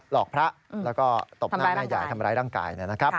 หลอกพระแล้วก็ตบหน้าแม่ยายทำร้ายร่างกาย